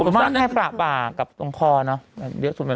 เมื่อให้ปลาปากกับตรงคอเนอะ